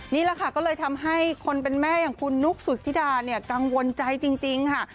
นี่แหละค่ะก็เลยทำให้คนเป็นแม่อย่างคุณนุ๊กสุธิดาเนี่ยกังวลใจจริงค่ะ